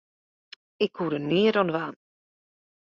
Ik koe der neat oan dwaan.